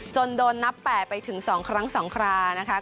จนโดนนับแปดไปถึงสองครั้งสองครานะคะ